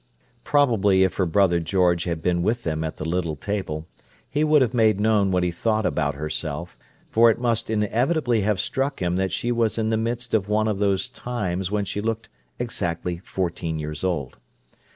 Probably if her brother George had been with them at the little table, he would have made known what he thought about herself, for it must inevitably have struck him that she was in the midst of one of those "times" when she looked "exactly fourteen years old."